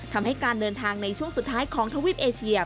ทำให้การเดินทางในช่วงสุดท้ายของทวีปเอเชีย